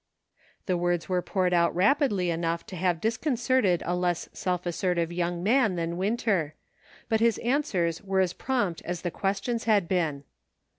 ■'" The words were poured out rapidly enough to have disconcerted a less self assertive young man than Winter, but his answers were as prompt as the questions had been.